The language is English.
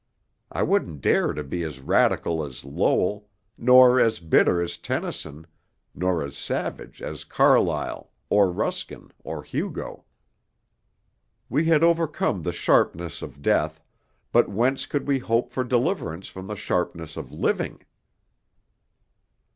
I wouldn't dare to be as radical as Lowell, nor as bitter as Tennyson, nor as savage as Carlyle, or Ruskin, or Hugo. We had overcome the sharpness of death, but whence could we hope for deliverance from the sharpness of living?"